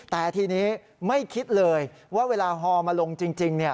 แต่ทีนี้ไม่คิดเลยว่าเวลาฮอมาลงจริง